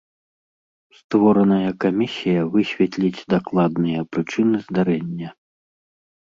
Створаная камісія высветліць дакладныя прычыны здарэння.